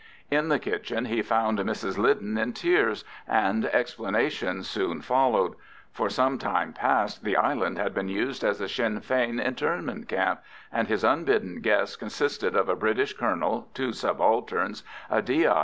In the kitchen he found Mrs Lyden in tears, and explanations soon followed. For some time past the island had been used as a Sinn Fein internment camp, and his unbidden guests consisted of a British colonel, two subalterns, a D.I.